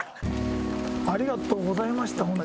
ありがとうございましたホント。